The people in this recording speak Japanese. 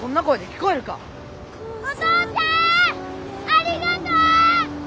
ありがとう！